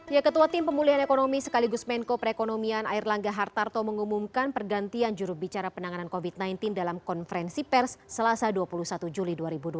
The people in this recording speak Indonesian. ya ketua tim pemulihan ekonomi sekaligus menko perekonomian air langga hartarto mengumumkan pergantian jurubicara penanganan covid sembilan belas dalam konferensi pers selasa dua puluh satu juli dua ribu dua puluh